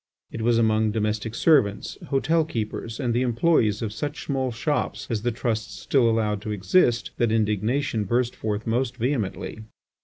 It was among domestic servants, hotel keepers, and the employees of such small shops as the Trusts still allowed to exist, that indignation burst forth most vehemently.